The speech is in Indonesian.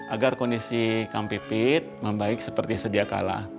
agar kondisi kang pipit membaik seperti sedia kala